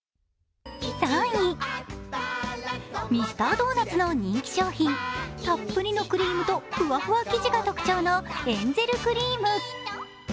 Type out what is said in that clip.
３位、ミスタードーナツの人気商品たっぷりのクリームとふわふわ生地が特徴のエンゼルクリーム。